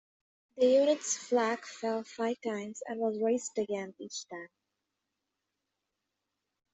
The unit's flag fell five times and was raised again each time.